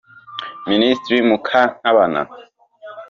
Minisitiri Mukantabana